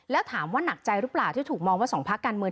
แล้วถามว่าหนักใจหรือเปล่าที่ถูกมองว่าสองพักการเมือง